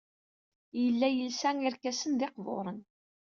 Yella yelsa irkasen d iqburen.